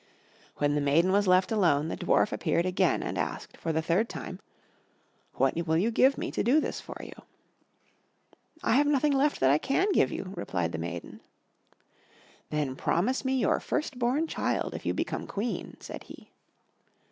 When the maiden was left alone, the Dwarf again appeared and asked, for the third time, "What will you give me to do this for you?" "I have nothing left that I can give you," replied the maiden. "Then promise me your first born child if you become Queen," said he.